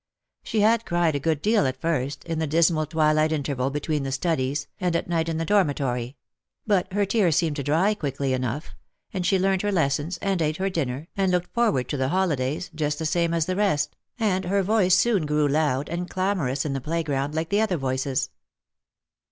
She had cried a good deal at first, in the dismal twilight interval between the studies, and at night in the dor mitory ; but her tears seemed to dry quickly enough, and she learnt her lessons, and ate her dinner, and looked forward to the holidays, just the same as the rest, and her voice soon grew loud and clamorous in the playground, like the other voices.